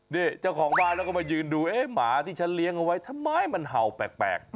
นี่เจ้าของบ้านแล้วก็มายืนดูเอ๊ะหมาที่ฉันเลี้ยงเอาไว้ทำไมมันเห่าแปลก